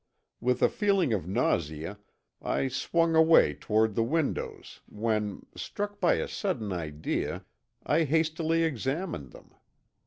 With a feeling of nausea I swung away toward the windows when, struck by a sudden idea, I hastily examined them.